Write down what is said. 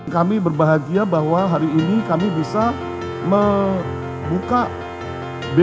kami berbahagia bahwa hari ini kami bisa membuka bisnis